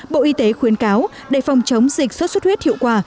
bộ y tế khuyến cáo để phòng chống dịch xuất xuất huyết hiệu quả